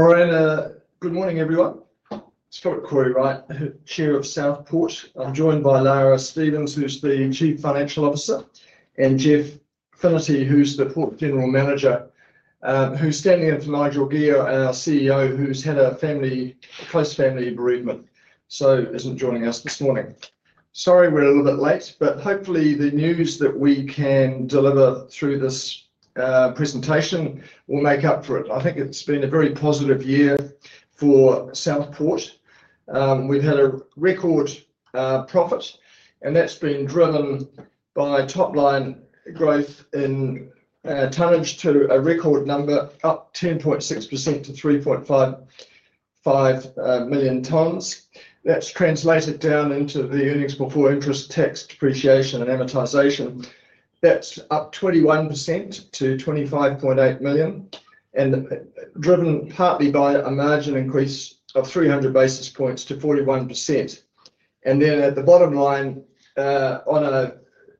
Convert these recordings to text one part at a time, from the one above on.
All right, good morning everyone. Philip Cory-Wright, Chair of South Port. I'm joined by Lara Stevens, who's the Chief Financial Officer, and Geoff Finnerty, who's the Port General Manager, who's standing over to my Nigel Gear, our CEO, who's had a close family bereavement, so isn't joining us this morning. Sorry we're a little bit late, but hopefully the news that we can deliver through this presentation will make up for it. I think it's been a very positive year for South Port. We've had a record profit, and that's been driven by top-line growth in tonnage to a record number, up 10.6% to 3.5 million tonnes. That's translated down into the earnings before interest, tax, depreciation, and amortization. That's up 21% to $25.8 million, and driven partly by a margin increase of 300 basis points to 41%. At the bottom line, on a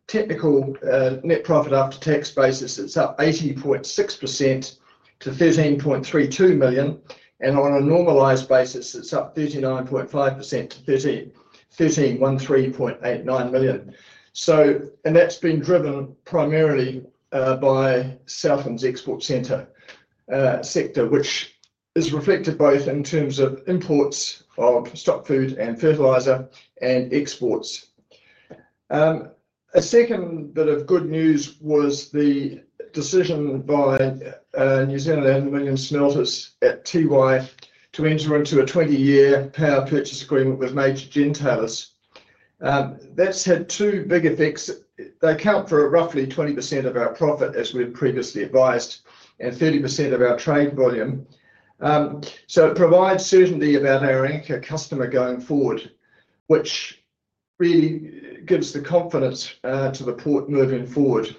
technical net profit after tax basis, it's up 80.6% to $3.32 million, and on a normalised basis, it's up 39.5% to $3.89 million. That's been driven primarily by Southland's export sector, which is reflected both in terms of imports of stock food and fertilizer and exports. A second bit of good news was the decision by New Zealand Aluminium Smelter at Tiwai to enter into a 20-year power purchase agreement with major generators. That's had two big effects. They account for roughly 20% of our profit, as we've previously advised, and 30% of our trade volume. It provides certainty about our anchor customer going forward, which really gives the confidence to the port moving forward.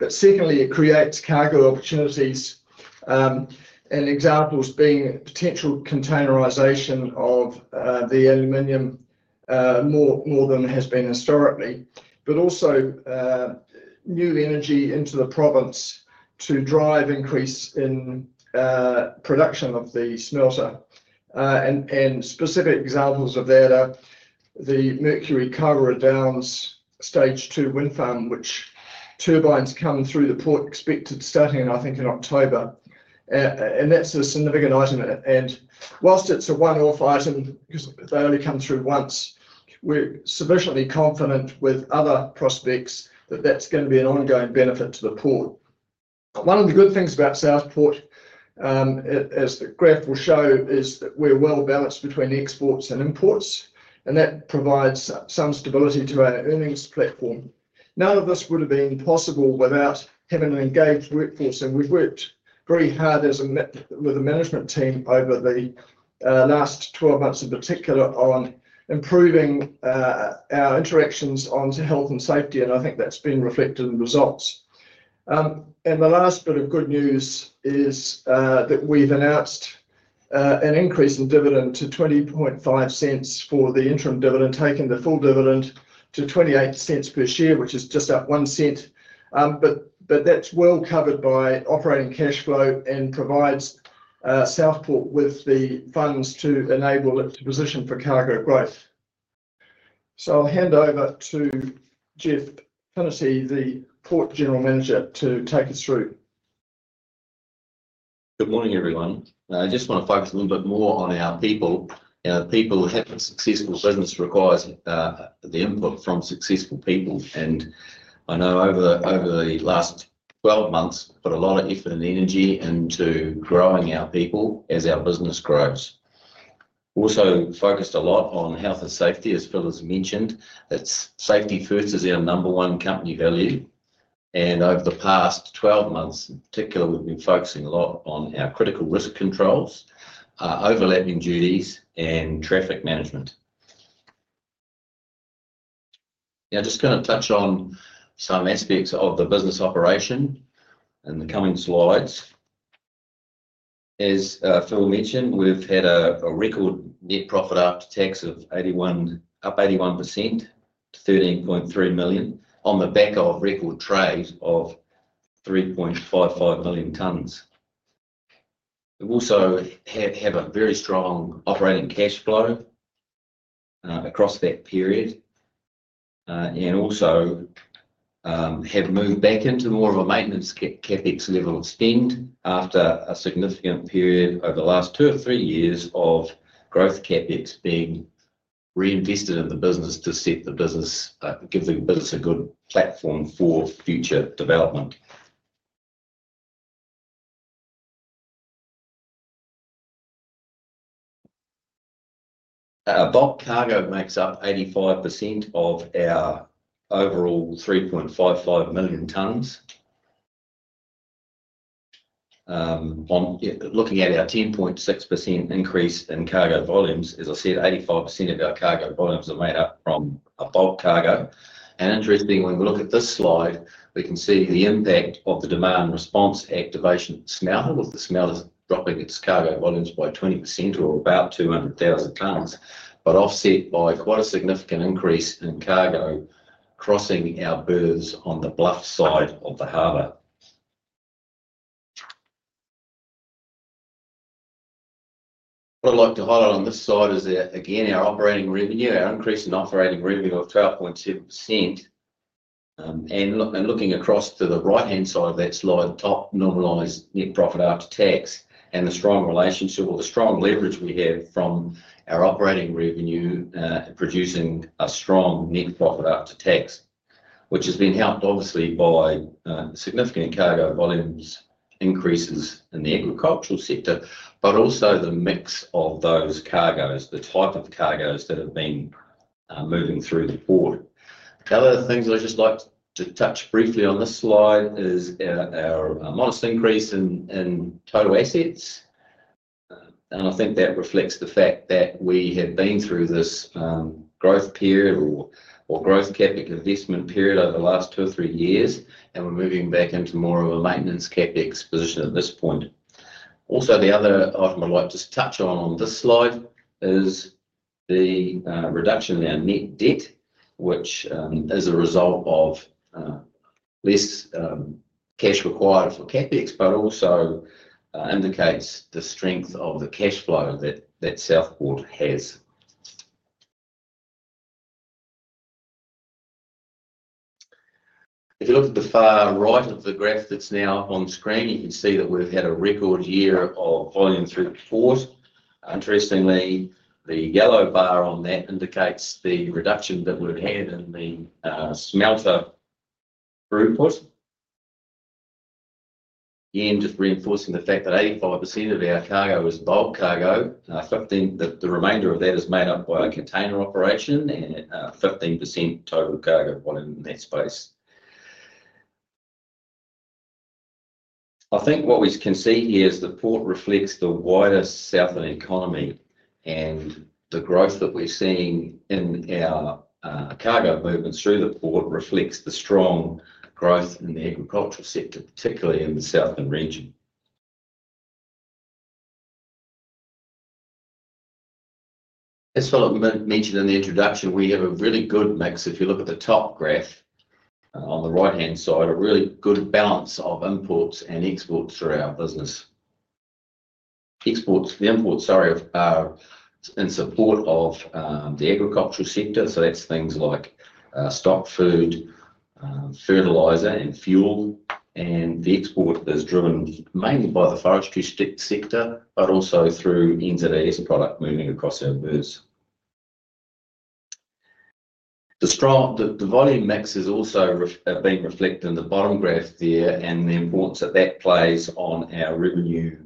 It also creates cargo opportunities, and examples being potential containerization of the aluminium more than has been historically, but also new energy into the province to drive increase in production of the smelter. Specific examples of that are the Mercury Kaiwera Downs Stage 2 wind farm, which turbines come through the port expected starting, I think, in October. That's a significant item. Whilst it's a one-off item, because they only come through once, we're sufficiently confident with other prospects that that's going to be an ongoing benefit to the port. One of the good things about South Port, as the graph will show, is that we're well balanced between exports and imports, and that provides some stability to our earnings platform. None of this would have been possible without having an engaged workforce, and we've worked very hard with the management team over the last 12 months in particular on improving our interactions onto health and safety, and I think that's been reflected in results. The last bit of good news is that we've announced an increase in dividend to $0.205 for the interim dividend, taking the full dividend to $0.28 per share, which is just up $0.01. That's well covered by operating cash flow and provides South Port with the funds to enable its position for cargo growth. I'll hand over to Geoff Finnerty, the Port General Manager, to take us through. Good morning everyone. I just want to focus a little bit more on our people. Our people have a successful business that requires the input from successful people. I know over the last 12 months, we've put a lot of effort and energy into growing our people as our business grows. We've also focused a lot on health and safety, as Philip mentioned. It's safety first as our number one company value. Over the past 12 months, in particular, we've been focusing a lot on our critical risk controls, our overlapping duties, and traffic management. Now, I'm just going to touch on some aspects of the business operation in the coming slides. As Philip mentioned, we've had a record net profit after tax of up 81%, $13.3 million on the back of record trade of 3.55 million tonnes. We also have a very strong operating cash flow across that period and also have moved back into more of a maintenance CapEx level of spend after a significant period over the last two or three years of growth CapEx being reinvested in the business to set the business, give the business a good platform for future development. Bulk cargo makes up 85% of our overall 3.55 million tonnes. Looking at our 10.6% increase in cargo volumes, as I said, 85% of our cargo volumes are made up from bulk cargo. Interestingly, when we look at this slide, we can see the impact of the demand response activation of the smelter. The smelter is dropping its cargo volumes by 20% or about 200,000 tonnes, but offset by quite a significant increase in cargo crossing our berths on the Bluff side of the harbor. What I'd like to highlight on this slide is that, again, our operating revenue, our increase in operating revenue of 12.7%. Looking across to the right-hand side of that slide, top normalized net profit after tax, and the strong relationship or the strong leverage we have from our operating revenue producing a strong net profit after tax, which has been helped obviously by significant cargo volumes increases in the agricultural sector, but also the mix of those cargoes, the type of cargoes that have been moving through the port. The other things I'd just like to touch briefly on this slide is our modest increase in total assets. I think that reflects the fact that we have been through this growth period or growth CapEx investment period over the last two or three years, and we're moving back into more of a maintenance CapEx position at this point. Also, the other item I'd like to touch on on this slide is the reduction in our net debt, which is a result of less cash required for CapEx, but also indicates the strength of the cash flow that South Port has. If you look at the far right of the graph that's now on screen, you can see that we've had a record year of volume through the port. Interestingly, the yellow bar on that indicates the reduction that we've had in the smelter room foot. Again, just reinforcing the fact that 85% of our cargo is bulk cargo. I think that the remainder of that is made up by a container operation and a 15% total cargo volume in that space. I think what we can see here is the port reflects the wider Southern economy, and the growth that we've seen in our cargo movements through the port reflects the strong growth in the agriculture sector, particularly in the Southern region. As Philip mentioned in the introduction, we have a really good mix. If you look at the top graph on the right-hand side, a really good balance of imports and exports through our business. The imports, sorry, are in support of the agricultural sector, so that's things like stock food, fertilizer, and fuel. The export is driven mainly by the forestry sector, but also through NZAS product moving across our berths. The volume mix has also been reflected in the bottom graph there, and the imports that that plays on our revenue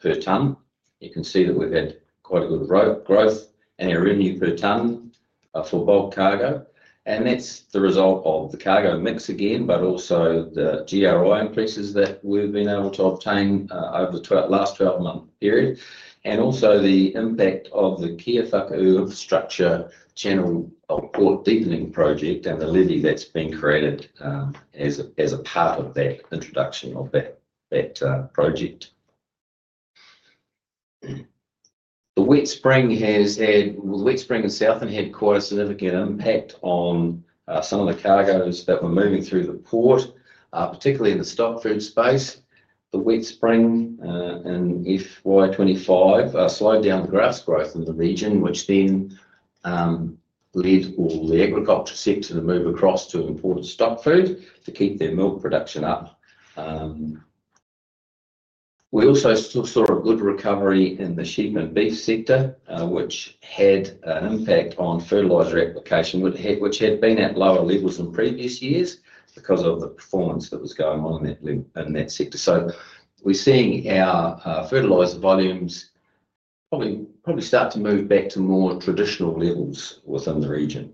per tonne. You can see that we've had quite a good growth in our revenue per tonne for bulk cargo. That's the result of the cargo mix again, but also the GRI increases that we've been able to obtain over the last 12-month period. Also, the impact of the Kia Whakaū infrastructure channel of port deepening project and the levy that's been created as a part of that introduction of that project. The wet spring has had, the wet spring of Southland had quite a significant impact on some of the cargoes that were moving through the port, particularly in the stock food space. The wet spring in FY 2025 slowed down the grass growth in the region, which then led all the agricultural sector to move across to imported stock food to keep their milk production up. We also saw a good recovery in the sheep and beef sector, which had an impact on fertilizer application, which had been at lower levels in previous years because of the performance that was going on in that sector. We're seeing our fertilizer volumes probably start to move back to more traditional levels within the region.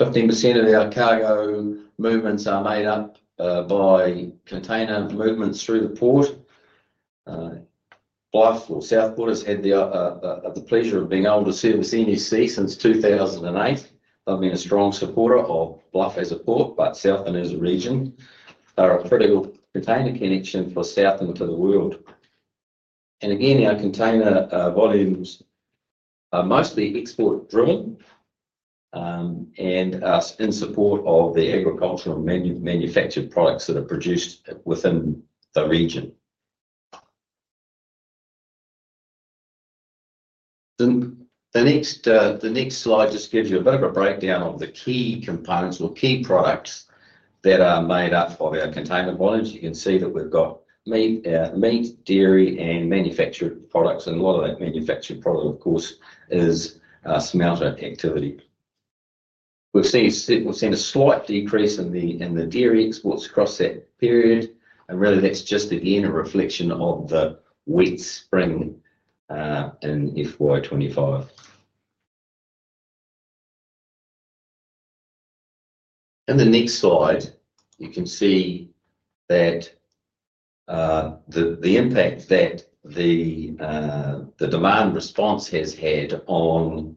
17% of our cargo movements are made up by container movements through the port. South Port has had the pleasure of being able to service MSC since 2008. I've been a strong supporter of Bluff as a port, but Southland as a region. There are critical container connections for Southland to the world. Our container volumes are mostly export-driven and in support of the agricultural and manufactured products that are produced within the region. The next slide just gives you a bit of a breakdown of the key components or key products that are made up of our container volumes. You can see that we've got meat, dairy, and manufactured products. A lot of that manufactured product, of course, is smelter activity. We've seen a slight decrease in the dairy exports across that period, and that's just a reflection of the wet spring in FY 2025. In the next slide, you can see the impact that the demand response has had on the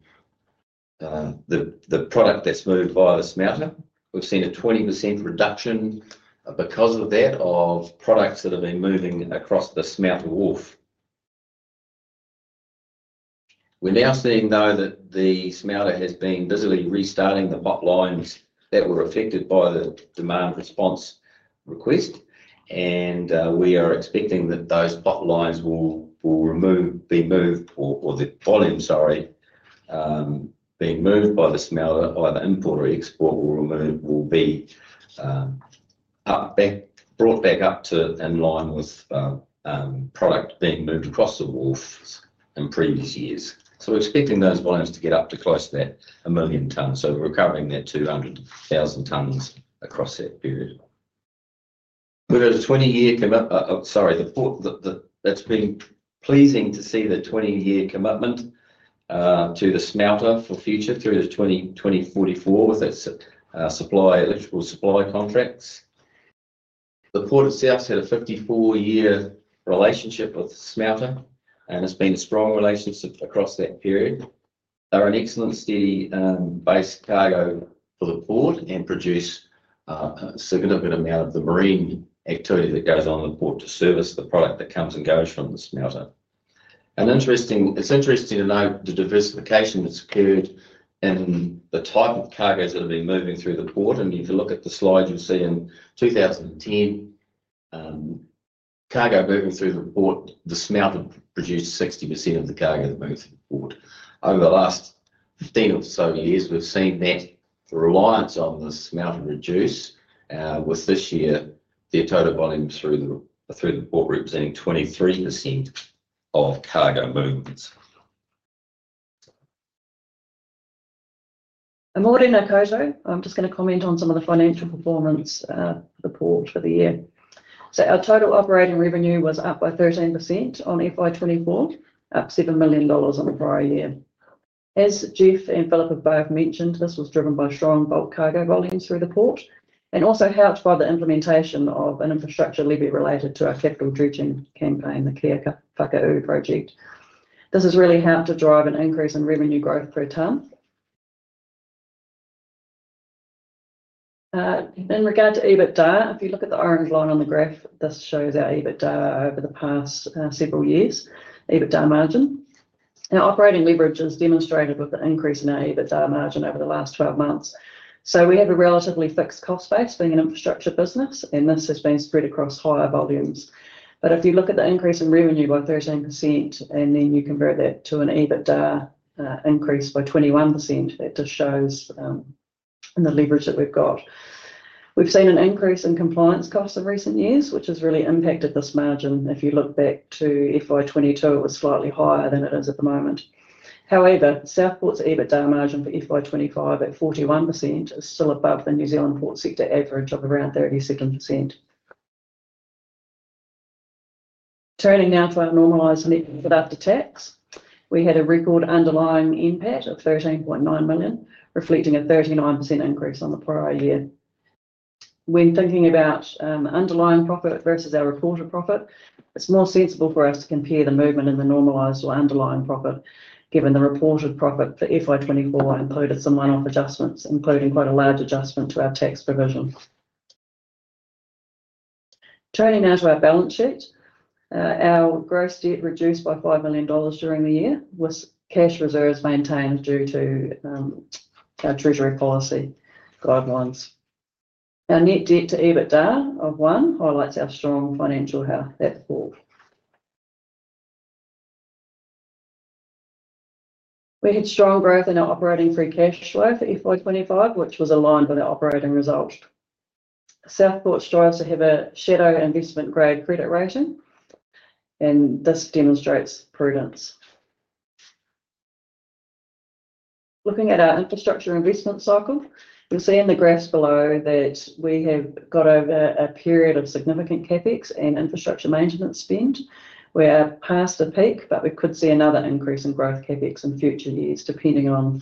product that's moved via the smelter. We've seen a 20% reduction because of that, of products that have been moving across the smelter wharf. We're now seeing that the smelter has been busily restarting the potlines that were affected by the demand response request. We are expecting that those potlines will be moved, or the volume, sorry, being moved by the smelter, either import or export, will be brought back up to in line with product being moved across the wharf in previous years. We're expecting those volumes to get up to close to a million tonnes. We're recovering that 200,000 tonnes across that period. We've had a 20-year commitment, sorry, it's been pleasing to see the 20-year commitment to the smelter for future through to 2044 with their eligible supply contracts. The port itself has had a 54-year relationship with the smelter, and it's been a strong relationship across that period. They're an excellent sea-based cargo for the port and produce a significant amount of the marine activity that goes on the port to service the product that comes and goes from the smelter. It's interesting to note the diversification that's occurred in the type of cargo that have been moving through the port. If you look at the slide, you'll see in 2010, cargo moving through the port, the smelter produced 60% of the cargo that moved through the port. Over the last 15 or so years, we've seen that the reliance on the smelter reduce, with this year, the total volume through the port representing 23% of cargo movement. Tēnā koutou. I'm just going to comment on some of the financial performance reports for the year. Our total operating revenue was up by 13% on FY 2024, up $7 million on the prior year. As Geoff and Philip have both mentioned, this was driven by strong bulk cargo volumes through the port and also helped by the implementation of an infrastructure levy related to our capital dredging campaign, the Kia Whakaū project. This has really helped to drive an increase in revenue growth per tonne. In regard to EBITDA, if you look at the orange line on the graph, this shows our EBITDA over the past several years, EBITDA margin. Our operating leverage is demonstrated with the increase in our EBITDA margin over the last 12 months. We have a relatively fixed cost base being an infrastructure business, and this has been spread across higher volumes. If you look at the increase in revenue by 13% and then you convert that to an EBITDA increase by 21%, that just shows the leverage that we've got. We've seen an increase in compliance costs in recent years, which has really impacted this margin. If you look back to FY 2022, it was slightly higher than it is at the moment. However, South Port's EBITDA margin for FY 2025 at 41% is still above the New Zealand port sector average of around 32%. Turning now to our normalized net income after tax, we had a record underlying impact of $13.9 million, reflecting a 39% increase on the prior year. When thinking about underlying profit versus our reported profit, it's more sensible for us to compare the movement in the normalized or underlying profit, given the reported profit for FY 2024 included some one-off adjustments, including quite a large adjustment to our tax provision. Turning now to our balance sheet, our gross debt reduced by $5 million during the year, with cash reserves maintained due to our Treasury policy guidelines. Our net debt to EBITDA of 1 highlights our strong financial health at the port. We had strong growth in our operating free cash flow for FY 2025, which was aligned with our operating results. South Port strives to have a shadow investment-grade credit rating, and this demonstrates prudence. Looking at our infrastructure investment cycle, you'll see in the graphs below that we have got over a period of significant capex and infrastructure maintenance spend. We are past a peak, but we could see another increase in growth CapEx in future years, depending on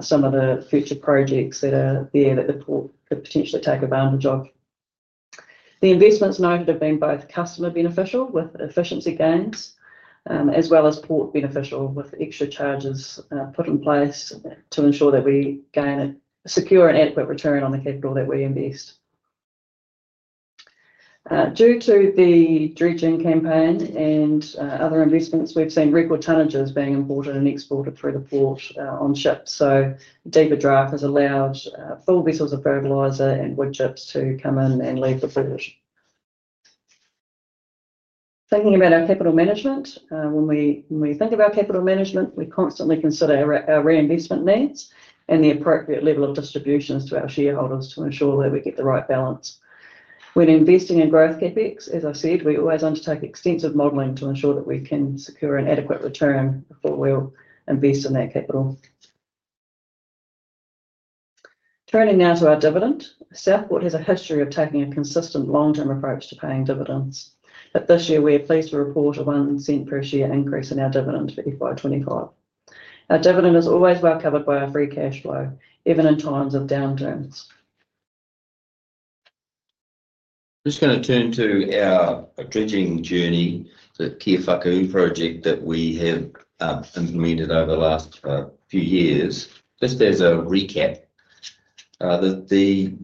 some of the future projects that are there that the port could potentially take advantage of. The investments known have been both customer beneficial with efficiency gains, as well as port beneficial with extra charges put in place to ensure that we gain a secure and adequate return on the capital that we invest. Due to the dredging campaign and other investments, we've seen record tonnages being imported and exported through the port on ships. Deeper draft has allowed full vessels of fertilizer and wood chips to come in and leave the port. Thinking about our capital management, when we think about capital management, we constantly consider our reinvestment needs and the appropriate level of distributions to our shareholders to ensure that we get the right balance. When investing in growth CapEx, as I said, we always undertake extensive modeling to ensure that we can secure an adequate return before we'll invest in that capital. Turning now to our dividend, South Port has a history of taking a consistent long-term approach to paying dividends. At this year, we are pleased to report a $0.01 per share increase in our dividends for FY 2025. Our dividend is always well covered by our free cash flow, even in times of downturns. I'm just going to turn to our dredging journey, the Kia Whakaū project that we have implemented over the last few years. Just as a recap, the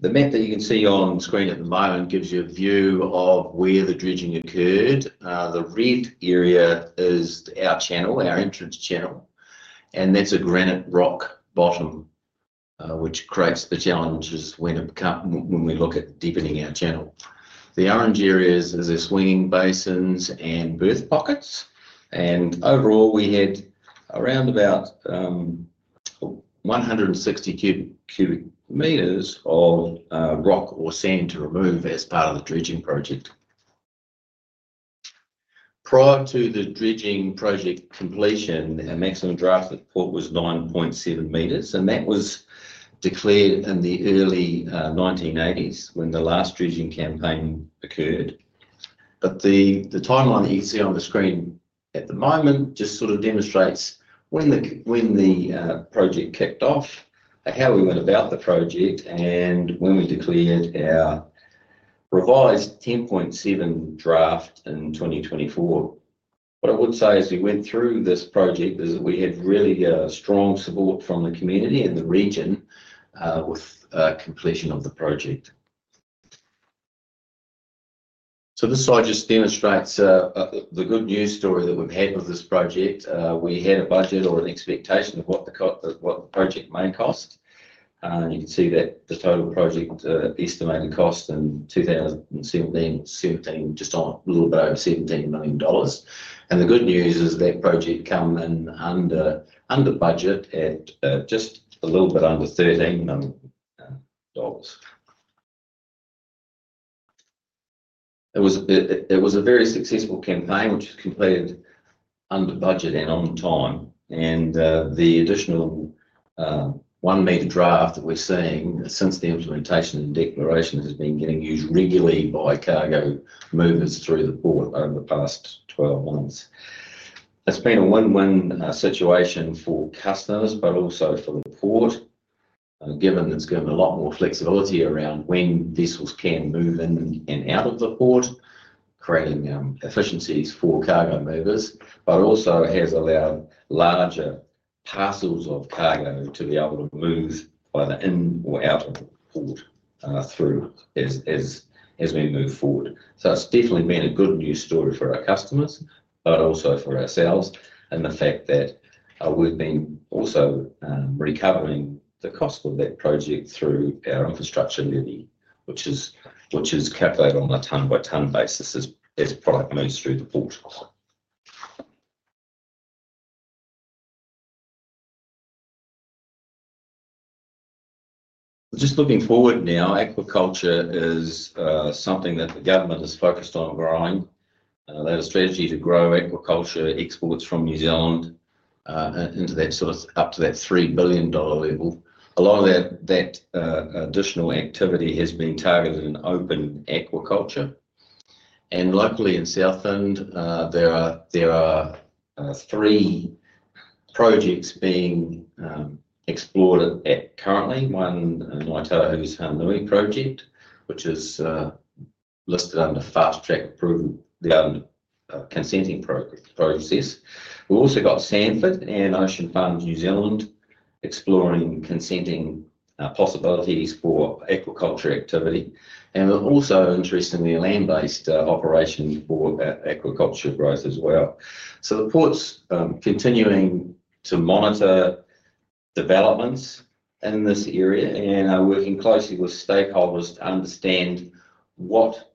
map that you can see on screen at the moment gives you a view of where the dredging occurred. The red area is our channel, our entrance channel, and that's a granite rock bottom, which creates the challenges when we look at deepening our channel. The orange areas are the swing basins and berth pockets. Overall, we had around about 160 cu m of rock or sand to remove as part of the dredging project. Prior to the dredging project completion, our maximum draft at the port was 9.7 m, and that was declared in the early 1980s when the last dredging campaign occurred. The timeline that you see on the screen at the moment just demonstrates when the project kicked off, how we went about the project, and when we declared our revised 10.7 draft in 2024. What I would say as we went through this project is that we had really strong support from the community and the region with completion of the project. This slide just demonstrates the good news story that we've had with this project. We had a budget or an expectation of what the project might cost. You can see that the total project estimated cost in 2017 was just a little bit over $17 million. The good news is that project came in under budget at just a little bit under $13 million. It was a very successful campaign, which was completed under budget and on time. The additional one-meter draft that we're seeing since the implementation and declarations has been getting used regularly by cargo movers through the port over the past 12 months. It's been a win-win situation for customers, but also for the port, given it's given a lot more flexibility around when vessels can move in and out of the port, creating efficiencies for cargo movers, and has allowed larger parcels of cargo to be able to move either in or out of the port as we move forward. It's definitely been a good news story for our customers, but also for ourselves in the fact that we've been also recovering the cost of that project through our infrastructure levy, which is calculated on a tonne-by-tonne basis as the product moves through the port. Looking forward now, agriculture is something that the government has focused on growing. They have a strategy to grow agriculture exports from New Zealand up to that $3 billion level. A lot of that additional activity has been targeted in open agriculture. Locally in Southland, there are three projects being explored currently. One in Waitākere, a project which is listed under FastTrack approval, the government consenting process. We've also got Sanford and ocean ponds, New Zealand, exploring consenting possibilities for aquaculture activity. We're also interested in the land-based operations for aquaculture growth as well. The port's continuing to monitor developments in this area and is working closely with stakeholders to understand what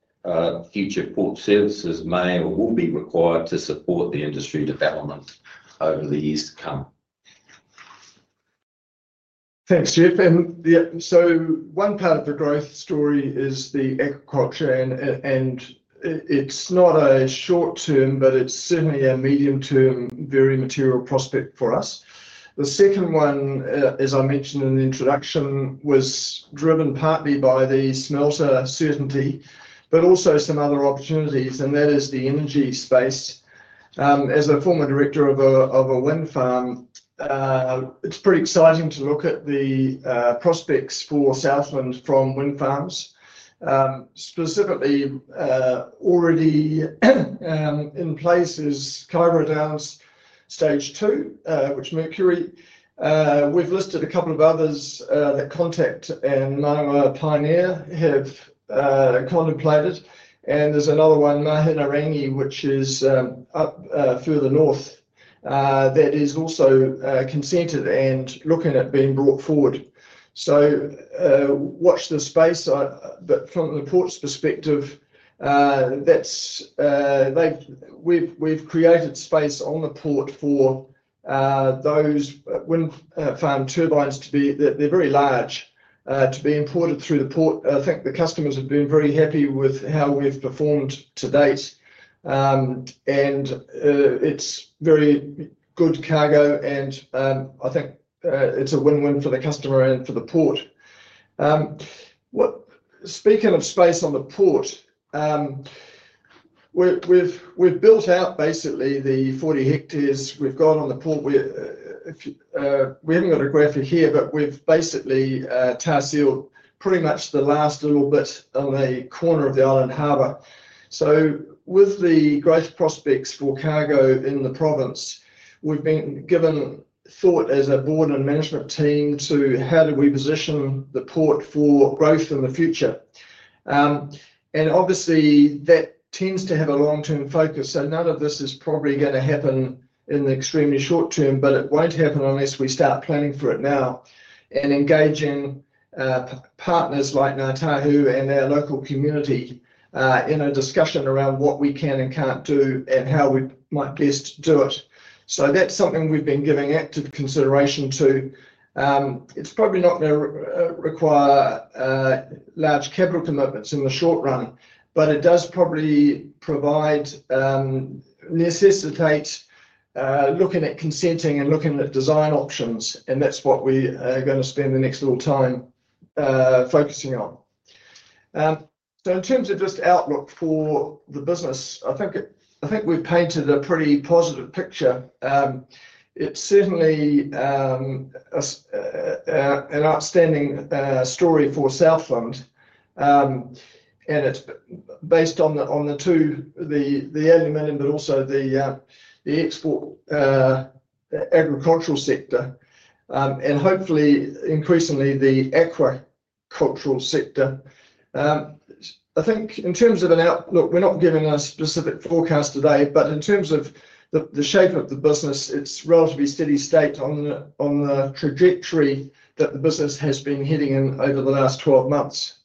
future port services may or will be required to support the industry development over the years to come. Thanks, Geoff. Yeah, so one part of the growth story is the agriculture, and it's not a short-term, but it's certainly a medium-term, very material prospect for us. The second one, as I mentioned in the introduction, was driven partly by the smelter certainty, but also some other opportunities, and that is the energy space. As a former director of a wind farm, it's pretty exciting to look at the prospects for Southland from wind farms. Specifically, already in place is Kaiwera Downs Stage 2, which Mercury, we've listed a couple of others that Contact and Manawa Pioneer have contemplated. There's another one, Mahina-a-Rangi, which is further north, that is also consented and looking at being brought forward. Watch the space, but from the port's perspective, we've created space on the port for those wind farm turbines to be, that they're very large, to be imported through the port. I think the customers have been very happy with how we've performed to date. It's very good cargo, and I think it's a win-win for the customer and for the port. Speaking of space on the port, we've built out basically the 40 ha we've got on the port. We haven't got a graphic here, but we've basically tar-sealed pretty much the last little bit on the corner of the Island Harbour. With the growth prospects for cargo in the province, we've been giving thought as a board and management team to how do we position the port for growth in the future. Obviously, that tends to have a long-term focus. None of this is probably going to happen in the extremely short term, but it won't happen unless we start planning for it now and engage in partners like Ngāi Tahu and our local community in a discussion around what we can and can't do and how we might best do it. That's something we've been giving active consideration to. It's probably not going to require large capital commitments in the short run, but it does probably provide, necessitate looking at consenting and looking at design options. That's what we are going to spend the next little time focusing on. In terms of just outlook for the business, I think we've painted a pretty positive picture. It's certainly an outstanding story for Southland. It's based on the two, the early million, but also the export agricultural sector, and hopefully increasingly the agricultural sector. I think in terms of an outlook, we're not given a specific forecast today, but in terms of the shape of the business, it's a relatively steady state on the trajectory that the business has been heading in over the last 12 months.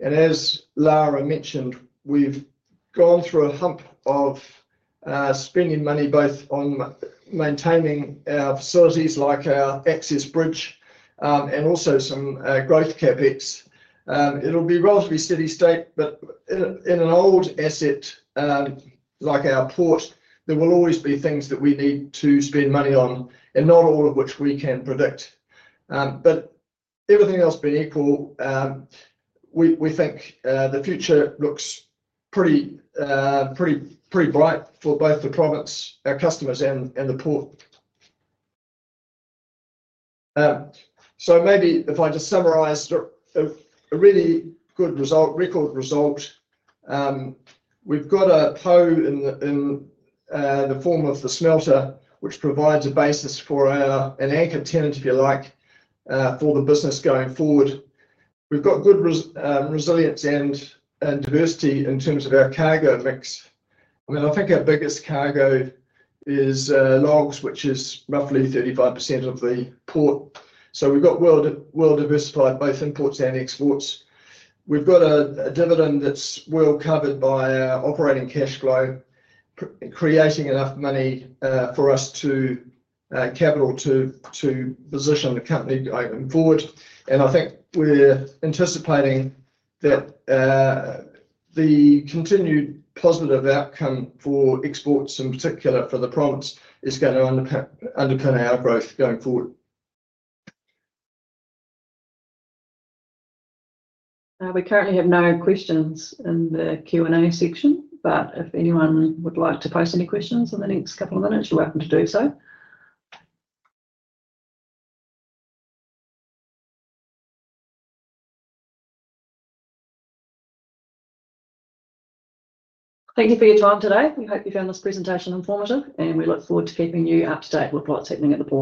As Lara mentioned, we've gone through a hump of spending money both on maintaining our facilities like our access bridge and also some growth CapEx. It'll be a relatively steady state, but in an old asset like our port, there will always be things that we need to spend money on, and not all of which we can predict. Everything else being equal, we think the future looks pretty bright for both the province, our customers, and the port. Maybe if I just summarize a really good result, record result, we've got a hole in the form of the smelter, which provides a basis for an anchor tent, if you like, for the business going forward. We've got good resilience and diversity in terms of our cargo mix. I mean, I think our biggest cargo is logs, which is roughly 35% of the port. We've got well-diversified both imports and exports. We've got a dividend that's well covered by our operating cash flow, creating enough money for us to capital to position the company going forward. I think we're anticipating that the continued positive outcome for exports, in particular for the province, is going to underpin our growth going forward. We currently have no questions in the Q&A section. If anyone would like to post any questions in the next couple of minutes, you're welcome to do so. Thank you for your time today. We hope you found this presentation informative, and we look forward to keeping you up to date with what's happening at the port.